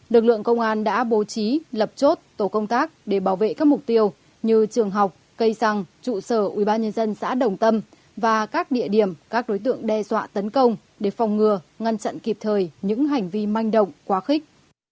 lực lượng công an đã bố trí lập chốt tổ công tác để bảo vệ các mục tiêu như trường học cây xăng trụ sở ubnd xã đồng tâm và các địa điểm các đối tượng đe dọa tấn công để phòng ngừa ngăn chặn kịp thời những hành vi manh động quá khích